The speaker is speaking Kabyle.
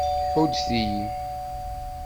Ḥuddet-iyi!